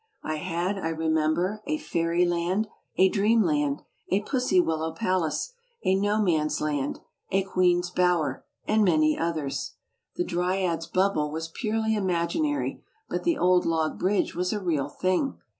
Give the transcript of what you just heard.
I had, I remember, a "Fairyland," a "Dreamland," a "Pussy Willow Palace," a "No Man's Land," a "Queen's Bower," and many others. The '"Dryads Bubble" was purely imaginary, but the "Old Log Bridge" was a real thing.